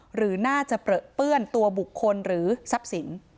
หรือน่าจะเปลือเปื้อนตัวบุคคลหรือทรัพย์สิน